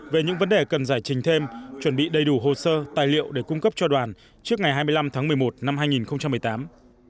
về những vấn đề cần giải trình thêm chuẩn bị đầy đủ hồ sơ tài liệu để cung cấp cho đoàn trước ngày hai mươi năm tháng một mươi một năm hai nghìn một mươi tám